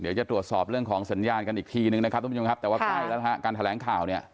เดี๋ยวจะตรวจสอบเรื่องของสัญญาณกันอีกทีนึงนะครับทุกผู้ชมครับแต่ว่าใกล้แล้วนะฮะการแถลงข่าวเนี่ย